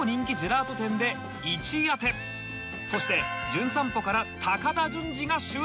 そして『じゅん散歩』から高田純次が襲来！